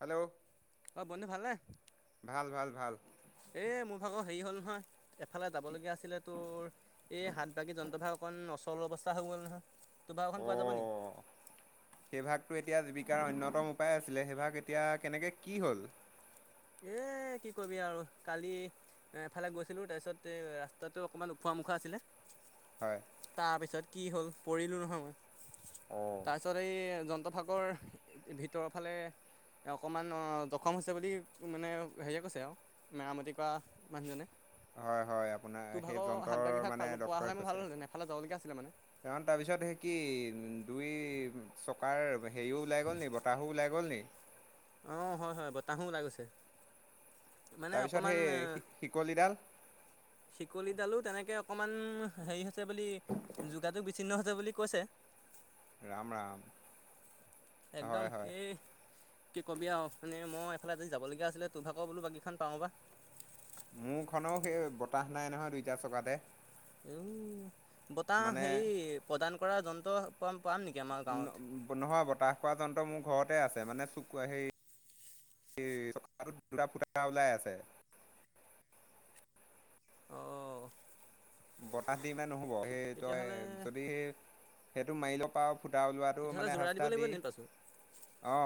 Hello অ বন্ধু ভালনে? ভাল ভাল ভাল এ মোৰ ভাগৰ হেৰি হ'ল নহয় এফালে যাব কি লগীয়া আছিলে তোৰ এই হাত ভাগী যন্ত্ৰ ভা অকণ অচল অৱস্থা হৈ গ'ল নহয়? তোৰ ভাগ এখন অ পোৱা যাব নি? সেই ভাগটো এতিয়া জীৱিকাৰ অন্য প্ৰথম উপায় আছিলে সেইভাগ এতিয়া কেনেকে কি হ'ল? এ কি কবি আৰু কালি এফালে গৈছিলোঁ তাৰপিছত ৰাস্তাটো অকণমান ওখোৱা মোখোৱা আছিলে, হয় তাৰপিছত কি হ'ল পৰিলোঁ নহয় মই। অ তাৰপিছত এই যন্ত্ৰফাকৰ ভিতৰৰ ফালে অকমান অ দখম হৈছে বুলি মানে হেৰিয়ে কৈছে আৰু মেৰামতি কৰা মানুহজনে। হয় হয় আপোনাৰ তোৰ সেই ভাগৰ সাত যন্ত্ৰৰ ভাগি ভাগ মানে পালো পোৱা ডক্তৰে হ'লে মই কৈছে ভাল আছিল এফালে যাবলগীয়া আছিলে মানে। কাৰণ তাৰপিছত সেই কি দুই চকাৰ হেৰিও ওলাই গ'ল নি? বতাহো ওলাই গ'ল নি? অঁ, হয়, হয়। বতাহো ওলাই গৈছে। মানে তাৰপিছত অকমান সেই শিকলিডাল শিকলিডালো তেনেকে। অকণমান হেৰি হৈছে বুলি যোগাযোগ বিচ্ছিন্ন হৈছে বুলি কৈছে। ৰাম ৰাম। একদম হয় হয় এই কি ক'বি আৰু মানে মই এইফালে আ যদি যাবলগীয়া আছিলে তোৰ ভাগৰ বোলো বাকীখন পাওঁ বা। মোৰ খনো সেই বতাহ নাই নহয় দুইটা চকাতে। উ বতাহ মানে হে প্ৰদান কৰা যন্ত্ৰ পাম নেকি আমাৰ ন গাঁৱত নহয়, বতাহ পোৱা যন্ত্ৰ মোৰ ঘৰত আছে মানে [unintelligible] দুটা ফুটা ওলাই আছে। অঁ। বতাহ দি পিনে নহ'ব সেই তই তেতিয়াহ'লে যদি সেই সেইটো মাৰি ল পাৰ ফুটা ওলোৱাটো তেতিয়াহ'লে মানে যোৰা দিব সস্তা লাগিব দি নি পাছো অ।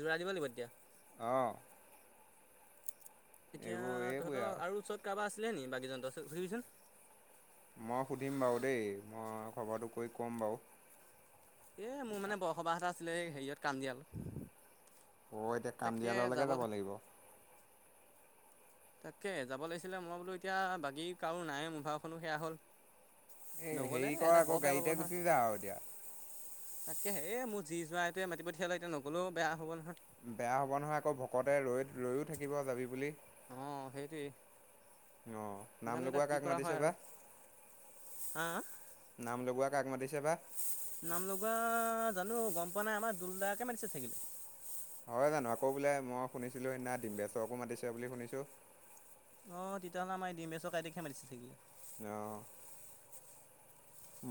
যোৰা দিব লাগিব তেতিয়া। এতিয়া এইবোৰ এইবোৰেই তহঁতৰ আৰু ওচৰত কাৰোবাৰ আছিলে নি বাগিজন তত সুধিবিচোন। মই সুধিম বাৰু দেই। মই খবৰটো কৈ ক'ম বাৰু। এই মোৰ মানে বসবাহ এটা আছিলে হেৰিয়ত কান্দিয়ল। অ', এতিয়া কাম দিয়াললৈকে যাব লাগিব। তাকে যাব লাগিছিলে, মই বোলো এতিয়া বাকী কাৰো নাই মোৰ ভাগখনো সেয়া হ'ল। এই নগ'লে হেৰি কৰ এহঁটা আকৌ বৰ বেয়া পাব গাড়ীতে নহয়। গুচি যা আৰু এতিয়া। তাকে হে মোৰ যি জোঁৱাইটোৱে মাতি পঠিয়ালে এতিয়া নগ'লেও বেয়া হ'ল। বেয়া হব নহয় আকৌ ভকতে ৰৈ ৰৈও থাকিব যাবি বুলি। অ, অঁ সেইটোৱে নাম জানো এতিয়া লগোৱা কি কাক কৰা মাতিছে হয় বা আৰু। হা, নাম লগোৱা কাক মাতিছে বা। নাম লগা। জানো গম পোৱা নাই আমাৰ দুলদাকে মাতিছে চাগে। হয় জানো। আকৌ বোলে মই শুনিছিলো সেইদিনা ডিম্বেচকো মাতিছে বুলি শুনিছো। অ, তেতিয়াহ'লে আমাৰ ডিম্বেশ্বৰ দাইটিক হে মাতিছে চাগে। অ।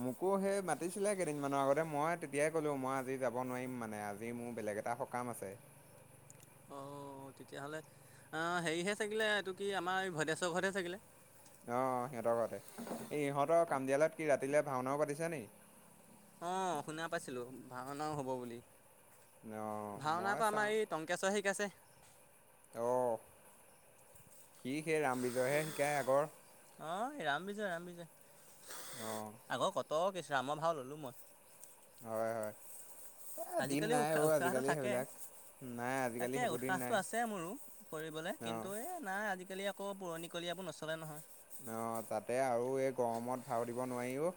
মোকো সেই মাতিছিলে কেইদিনমানৰ আগতে মই তেতিয়াই ক'লো মই আজি যাব নোৱাৰিম। মানে আজি মোৰ বেলেগ একেটা সকাম আছে। অঁ, তেতিয়াহ'লে হেৰিহে চাগিলে এইটো কি আমাৰ এই ভদেশ্বৰ ঘৰতহে চাগিলে। অ, সিহঁতৰ ঘতে এই ইহঁতৰ কাম দিয়ালত কি ৰাতিলে ভাওনাও পাতিছে নি? অ, শুনা পাইছিলো ভাওনাও হব বুলি। অ' ভাওনা মই আকৌ আমাৰ এই টংকেশ্বৰ হে শিকাইছে। আহ সি সেই ৰাম বিজয়হে শিকায় আগৰ অ, ৰাম-বিজয় ৰাম-বিজয় অ' আগৰ কত কিছ ৰামৰ ভাও ললো মই। হয়, হয় এ দিন আজিকালি নাই উৎসাহ অ উৎসাহটো আজিকালি থাকে সেইবিলাক। নাই আজিকালি তাকে সেইবোৰ দিন নাই উৎসাহটো আছে মোৰো কৰিবলৈ অ'। কিন্তু, এই নাই আজিকালি আকৌ পুৰণিকলীয়াবোৰ নচলে নহয়। অ, তাতে আৰু এই গৰমত ভাও দিব নোৱাৰিও।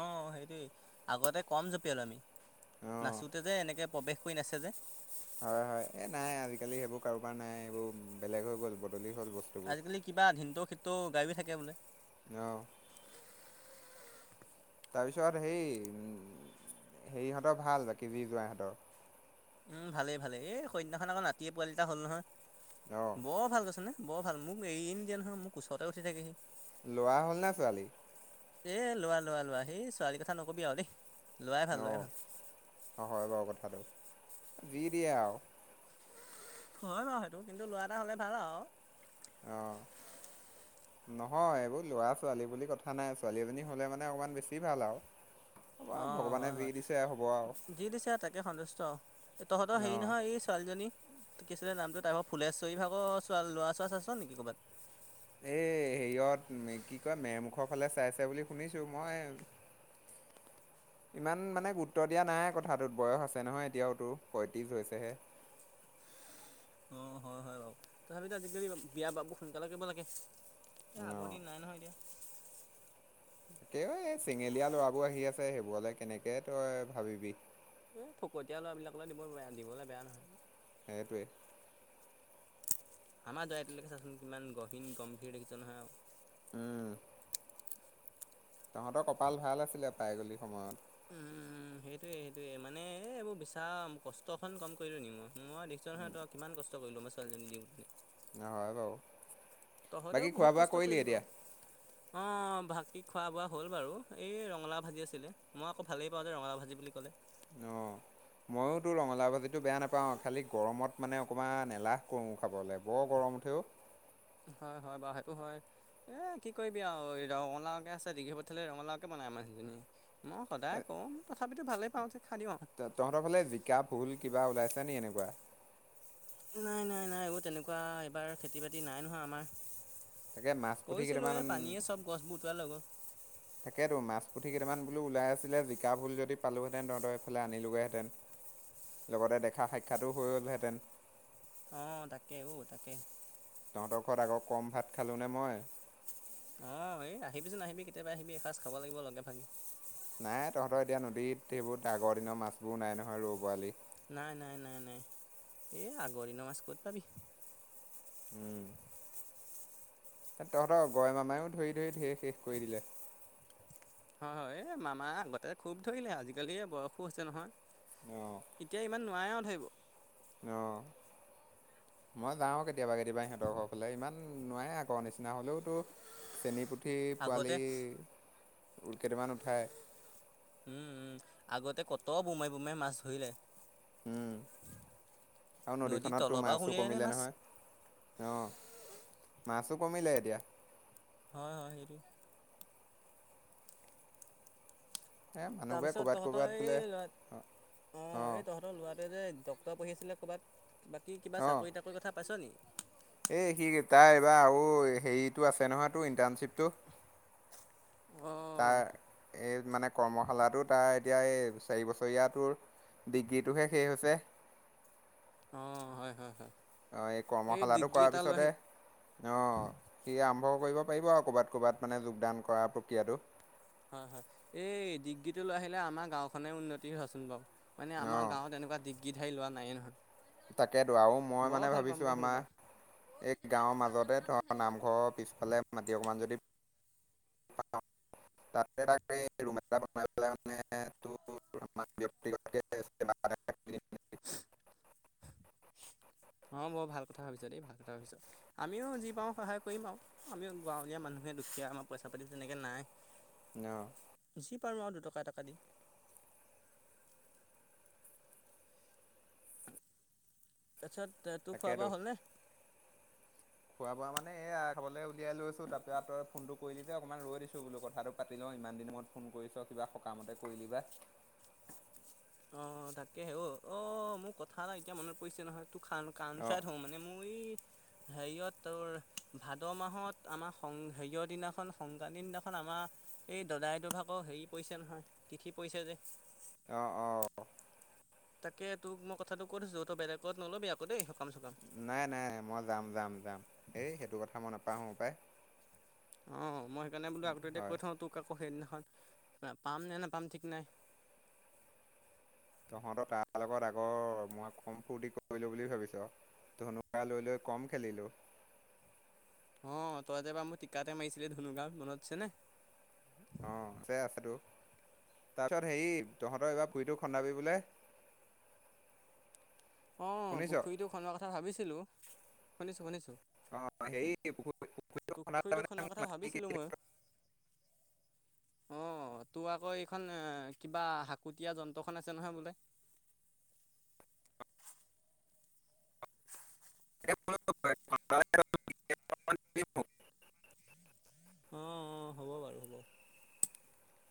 অ, সেইটোৱেই আগতে কম জপিয়ালো আমি অ'। নাচোতে যে এনেকে প্ৰৱেশ কৰি নাছে যে। হয়, হয় এ নাই আজিকালি সেইবোৰ কাৰোবাৰ নাই সেইবোৰ বেলেগ হৈ গ'ল বদলি। হ'ল বস্তুবোৰ। আজিকালি কিবা ধিনটো খিনটো গায়ো থাকে বোলে। আহ। তাৰ পিছত হেই উ হেৰিহঁতৰ ভাল বাকী জি জোঁৱাই ইহঁতৰ উম, ভালেই ভালেই এই সেইদিনাখন আকৌ নাতিয়ে পোৱালি এটা হ'ল নহয় অ', বৰ ভাল কৈছনে। বৰ ভাল মোক এৰি নিদিয়ে নহয় মোৰ কোঁচতে উঠি থাকেহি। লৰা হ'ল ন ছোৱালী? এ, লৰা লৰা লৰা এ ছোৱালীৰ কথা নকবি আৰু দেই। ল'ৰাই ভাল ল'ৰাই ভাল অ হয় বাৰু কথাটো, যি দিয়ে আৰু হয় বাৰু সেইটো কিন্তু লৰা এটা হলে ভাল আৰু আহ্ নহয় এইবোৰ ল'ৰা ছোৱালী বুলি কথা নাই, ছোৱালী এজনী হলে মানে অকমান বেছি ভাল আৰু অ অঁ ভগৱানে হয় হয় যি দিছে হ'ব, আৰু যি দিছে তাকে সন্তুষ্ট তহঁতৰ হেৰি অ', নহয় এই ছোৱালীজনী ত কি আছিলে নামটো তাৰ ফুলেশ্বৰী ভাগৰ ল'ৰা চোৱা আছে নেকি কৰবাত? এ হেৰিয়ত কি কয় মেৰমুখৰ ফালে চাইছে বুলি শুনিছো মই ইমান মানে গুৰুত্ব দিয়া নাই কথাটোত বয়স আছে নহয় এতিয়াওতো পয়ত্ৰিশ হৈছেহে। [unintelligible] অ হয় হয় বাৰু, তথাপিতো আজিকালি বিয়া বাবু সোনকালে কৰিব লাগে। এতিয়া আগৰ দিন নাই নহয় এতিয়া। ত এই চেঙেলীয়া লৰাবোৰ আহি আছে, সেইবোৰলে কেনেকে তই ভাবিবি। এই ফকতীয়া ল'ৰাবিলাকলৈ দিব দিবলৈ বেয়া নহয়। সেইটোৱেই। আমাৰ দৰাটোলৈকে চাচোন কিমান গভীন গম্ভীৰ দেখিছে নহয় আৰু উম। তহঁতৰ কপাল ভাল আছিলে পাইগলী সময়ত। উম সেইটোয়ে সেইটোয়ে মানে এইবোৰ বিচাৰাম কষ্টখন কম কৰিলো নি মই। মই দেখিছোঁ নহয় তই কিমান কষ্ট কৰিলোঁ মই ছোৱালীজনীওঁনে। হয় বাও। তহঁতেও বহুত কষ্ট কৰিলি বাৰু উ [unintelligible] ভাত তি খোৱা বোৱা হ'ল বাৰু এই ৰঙালাও ভাজি আছিলে মই আকৌ ভালেই পাওঁ যে ৰঙালা‌ও ভাজি বুলি ক'লে আহ মই তো ৰঙালাও ভাজিটো বেয়া নাপাওঁ, খালি গৰমত মানে অকণমান এলাহ কৰো খাবলৈ বৰ গৰম। মুঠও হয় হয় বাৰু সেইটো হয় এ কি কৰিবি আৰু ৰঙালাওকে আছে দি পঠালে ৰঙালাওকে বনাও মানুহ মই সদায় কওঁ, তথাপিতো ভালে পাওঁ খাই দিওঁ আৰু। ত তহঁতৰ ফালে জিকা ভুল কিবা ওলাইছে নি এনেকুৱা? নাই নাই নাই, তেনেকুৱা এইবাৰ খেতি বাতি নাই নহয় আমাৰ। তাকে মাছ পুঠি কৰিছিলোঁ কেইটামান এই পানীয়ে চব গছবোৰ উটুৱাই লৈ গ'ল। তাকেই টো মাছ পুঠি কেইটামান লো আৰু ওলাই আছিলে জিকা ভুল যদি পালোহেতেন তহঁতৰ এইফাল আনিলোগেহেতেন। লগতে দেখা সাক্ষাটো হৈ গ'লহেঁতেন। অ তাকে তাকে। তহঁতৰ ঘৰত আকৌ কম ভাত খালোঁনে মই অ এই আহিবিচোন আহিবি কেতিয়াবা আহিবি এসাঁজ খাব লাগিব লগে ভাগে। নাই তহঁতৰ এতিয়া নদীত সেইবোৰ আগৰ দিনৰ মাছবোৰ নাই নহয় ৰৌ পোৱালি। নাই নাই নাই নাই এ আগৰ দিনৰ মাছ ক'ত পাবি। উম। তহঁতৰ গয় মামাও ধৰি ধৰি ধেৰ শেষ কৰি দিলে। হয় হয় এ মামা আগতে খুব ধৰিলে আজিকালি বয়সো হৈছে নহয়। এতিয়া ইমান নোৱাৰেও ধৰিব। অ। মই যাও কেতিয়াবা কেতিয়াবা ইহঁতৰ ঘৰ ফালে, ইমান নোৱাৰে আকৌ নিচিনা হলেওতো, চেনী পুঠি আগতে পোৱালি কেইটামান উঠায়। উম উম আগতে কত বোমাই বোমাই মাছ ধৰিলে। উম। আৰু নদীৰ নদীখনততো তলৰ পৰা মাছো উলিয়াই আনে কমিলে মাছ নহয়। অ মাছো কমিলে এতিয়া। হয় হয় হৰিৰি এ মানুহবোৰে তাৰপিছত ক'ৰবাত তহঁতৰ ক'ৰবাত বোলে এই লৰা অ অঁ এই তহঁতৰ লৰাটোৱে যে। তই পঢ়ি আছিলি যে ক'ৰবাত বাকী কিবা অঁ চাকৰি তাকৰি কথা পাইছ নি- এই সি তাই এইবাৰ আৰু হেৰিটো আছে নহয়তো ইণ্টাৰ্ণশ্বিপটো- অঁ তাৰ এই মানে কৰ্মশালাটো তাৰ এতিয়া এই চাৰি বছৰীয়াটোৰ- ডিগ্ৰীটোহে শেষ হৈছে। অ হয় হয় হয়। অ এই কৰ্মশালাটো ডিগ্ৰী কৰাৰ এটা লৈ পিছতে আহি অ সি আৰম্ভ- কৰিব পাৰিব আৰু কৰ'বাত কৰ'ৰবাত মানে যোগদান কৰা প্ৰক্ৰিয়াতটো। হয় হয় এই ডিগ্ৰীটো লৈ আহিলে আমাৰ গাঁওখনে উন্নতি হবচোন বাৰু- মানে অঁ আমাৰ গাঁৱতেনেকুৱা ডিগ্ৰী ধাৰি লোৱা নাই নহয় তাকেতো আৰু মই বৰ মানে ভাল পাম ভাবিছো বৰ ভাল পাম। আমাৰ- এই গাঁৱৰ মাজতে ধৰ নামঘৰৰ পিছফালে মাটি অকমান যদি- তা তৰুম এ বনাই পেলাই মানে ত [unintelligible] [unintelligible] অ বৰ ভাল কথা ভাবিছ দেই ভাল কথা ভাবিছ আমিও যি পাও সহায় কৰিম আও আমিও গাঁৱলীয়া মানুহ- দুখীয়া আমাৰ পইচা পাতি তেনেকে নাই। ন যি পাৰো আৰু দুটকা এটকা দিম। তাৰছত তোৰ খোৱা তাকেতো ব হ'লনে- খোৱা বোৱা মানে এয়া খাবলে উলিয়াই লৈছো তাৰপৰা তই ফোনটো কৰিলি যে অকণমান ৰৈ দিছো বোলো কথাটো পাতি লওঁ ইমান। দিন মত ফোন কৰিছ কিবা সকামতে কৰিলি বা- অ তাকে হে অ অ মোৰ কথা এটা এতিয়া মনত পৰিছে নহয়। ত খান অঁ কামচাত হওঁ মানে মোৰ এই হেৰিয়ত ভাদ মাহত আমাৰ সং হেৰিয়ৰ দিনাখন সংক্ৰান্তিৰ দিনাখন আমাৰ- এই দাদাইটো ভাগৰ আকৌ হেৰি পৰিছে নহয় তিথি পৰিছে যে। অ অ তাকে তোক মই কথাটো কৈ থৈছো তই বেলেগত নল'বি আকৌ দেই- চকাম। নাই নাই মই যাম যাম যাম এই সেইটো কথা মই নাপাহো পায়। অ মই সেইকাৰণে বোলো আকৌ এতিয়া কৈ থওঁ তোক আাকৌ হেই দিনা পাম নে নে পাম ঠিক নাই তহঁতৰ তাৰ লগত আগৰ মই কম ফূৰ্তি কৰিলো বুলি ভাবিছো ধনুু কাৰ লৈ লৈ কম খেলিলো। [inaudible] অ তই যে এবাৰ মোৰ টিকাতে মাৰিছিলি ধুনুগাঁও মনত আছে নে। অ আছে আছেতো। তাৰপিছত হেৰি তহঁতৰ এইবাৰ ভুৰিটো খন্দাবি বোলে। অ শুনিছ পুখুৰীটো খন্দোৱাৰ কথা ভাবিছিলো শুনিছো শুনিছোঁ। অ সেই পুখুৰী পুখুৰীটো খন্দোৱাৰ কথা খন্দাতেই ভাবিছিলোঁ ময়ো [unintelligible] উ অ তোৰ আকৌ এইখন এ কিবা শাকুতীয়া যন্ত্ৰখন আছে নহয় বোলে। [inaudible] [unintelligible] অ অ হ'ব বাৰু হ'ব।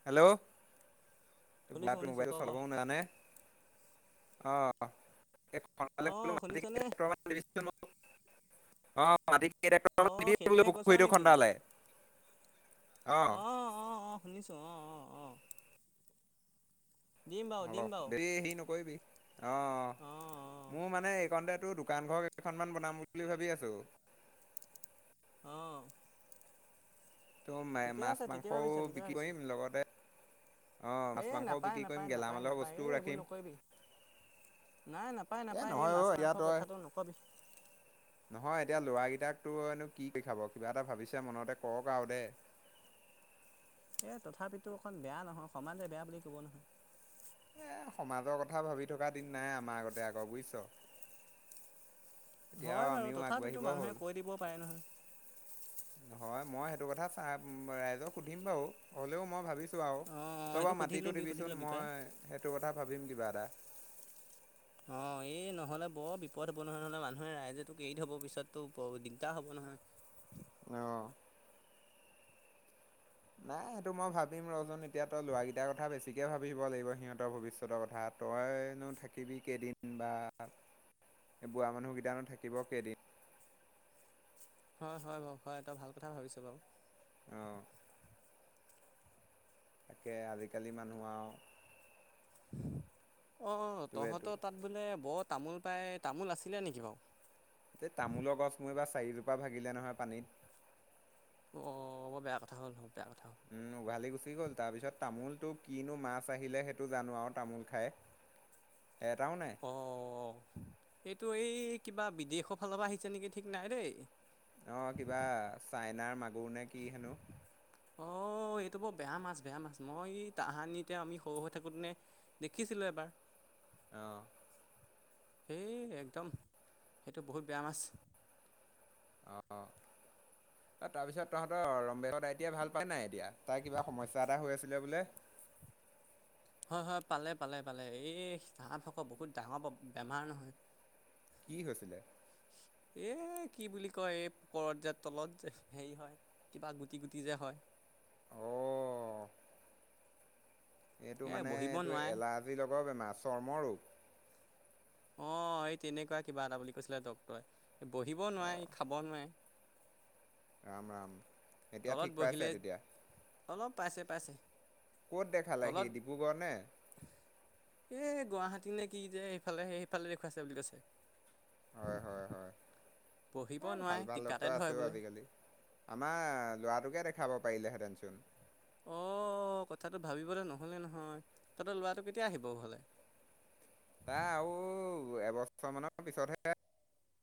হেল্ল' শুনিছোঁ লৰাটো শুনিছোঁ মবাইল ক ক চলও নাযানে আহ অ অঁ শুনিছনে অঁ সেইটোহে কৈছ নেকি খডালে আহ [unintelligible] অঁ অঁ অঁ শুনিছোঁ অঁ অঁ অঁ দিম বাৰু অল দিম বাৰু দে হেৰি নকৰিবি অ অঁ অঁ মোৰ মানে এইকতেটো- দোকান ঘৰ কেইখনমান বনাম বুলি ভাবি আছো অঁ ত ঠিকে মাছ আছে ঠিকে মাংসও ভাবিছ বিক্ৰী কৰিম লগতে অ' এ মাছ মাংসও নাপায় বিক্ৰী কৰিম নাপায় নাপায় গেলামালৰ নাপায় এ বস্তুও এইবোৰ ৰাখিম নকৰিবি নাই নাপায় এ নাপায় এই নহয় মাছ অ' মাংস এতিয়া তই কথাটো নকবি নহয় এতিয়া লৰাকেইটাক তো এনো কি কৰি খাব কিবা এটা ভাবিছে মনতে কৰক আৰু দেই [unintelligible] এ তথাপিতো অকণ বেয়া নহয় সমানে বেয়া বুলি কব নহয় এ সমাজৰ কথা ভাবি থকা দিন নাই আমাৰ আগতে আকৌ বুজিছ তেতিয়া আৰু হয় বাৰু আমিও আগবাঢ়িব তথাপিতো মানুহে হ'ল। কৈ দিব পাৰে নহয় হয় মই সেইটো কথা চাই ৰাইজক সুধিম বাৰু হলেও মই ভাবিছো আৰু অঁ তপ সেইটো পৰা সুধি মাটিটো ল'বি সুধি দিবিচোন ল'বি পাই মই সেইটো কথা ভাবিম কিবা এটা অঁ এই [unintelligible] নহ'লে বৰ বিপদ হ'ব নহয় নহ'লে মানুহে ৰাইজে তোক এৰিব পিছতো দিগদাৰ হ'ব নহয় আহ নাই সেইটো মই ভাবিম ৰজোন এতিয়া তই লৰাৰাকেইটাৰ কথা বেছিকে ভাবিব লাগিব সিহঁতৰ ভৱিষ্যতৰ কথা তইনো থাকিবি কেইদিন বা বোৱা মানুহকেইটানো থাকিব কেইদিন হয় হয় বাৰু হয় এটা ভাল কথা ভাবিছো বাৰু আহ তাকে আজিকালি মানুহ আৰু অ তোৰ এইটো তহঁতৰ তাত বোলে বৰ তামোল পাই তামোল আছিলে নেকি বাৰু এই তামোলৰ গছ মোৰ এইবাৰ চাৰিজোপা ভাগিলে নহয় পানীত অঁ অ'ব বেয়া কথা হ'ল হব বেয়া কথা হ'ল উম উঘালি গুচি গ'ল তাৰ পিছত তামোলটো কিনো মাছ আহিলে সেইটো জানো আৰু তামোল খাই এটাও নাই অঁ এইটো এই কিবা বিদেশৰ ফালৰ পৰা আহিছে নেকি ঠিক নাই দেই নাৰ মাগুৰ নে কি হেনো অ এইটো বৰ বেয়া মাছ বেয়া মাছ মই তাহানিতে এয়া আমি সৰু হৈ থাকোতে নে দেখিছিলো এবাৰ আহ সেই একদম সেইটো বহুত বেয়া মাছ অঁ অ তাৰপিছত তহঁতৰ ৰমবেগৰ আইতিাই ভাল পাই নাই এতিয়া তাই কিবা সমস্যা এটা হৈ আছিলে বোলে [unintelligible] হয় হয় পালে পালে পালে এই চাহ ভাক বহুত ডাঙৰ বেমাৰ নহয় কি হৈছিলে এ কি বুলি কয় এই পোকৰত যে তলত যে হেৰি হয় কিবা গুটি গুটি যে হয় আহ এইটো এ মানে বহিব এইটো নোৱাৰে এলাৰ্জি লগৰ বেমাৰ চৰ্ম ৰোগ অ এই তেনেকুৱা কিবা এটা বুলি কৈছিলে ডক্তৰে বহিব অঁ নোৱাৰে খাব নোৱাৰে ৰাম ৰাম এতিয়া তলত ঠিক পাইছে বহিলে তেতিয়া অলপ পাইছে পাইছে। ক'ত দেখালে সি তলত ডিব্ৰুগড় নে। এ গুৱাহাটী নে কি যে সফালে সেইফালে দেখুৱাইছে বুলি কৈছে। হয় হয় হয়। পঢ়িব এ ভাল নোৱাৰে ভাল ডক্ত টিকাতে ধৰে আছেও বোলে আজিকালি আমাৰ লৰাটোকে দে। খাবা পাৰিলে হেঁতেনচোন। অ কথাটো ভাবিবলে নহলে নহয় তহঁততে লৰাটো কেতিয়া আহিব ঘৰলে। তাই আৰু এবছৰ মানৰ পিছতহে।